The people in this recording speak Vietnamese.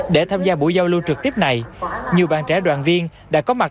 để tham gia buổi giao lưu trực tiếp này nhiều bạn trẻ đoàn viên đã có mặt